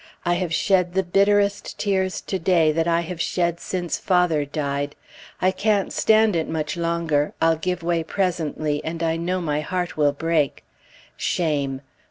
I have shed the bitterest tears to day that I have shed since father died. I can't stand it much longer; I'll give way presently, and I know my heart will break. Shame!